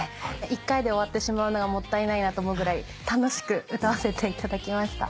一回で終わってしまうのがもったいないなと思うぐらい楽しく歌わせていただきました。